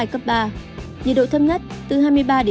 nhiệt độ thấp nhất từ hai mươi ba hai mươi sáu độ